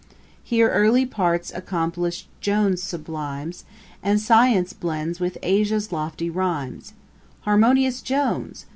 Here early parts accomplish'd JONES sublimes, And science blends with Asia's lofty rhymes: Harmonious JONES!